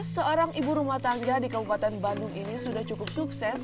seorang ibu rumah tangga di kabupaten bandung ini sudah cukup sukses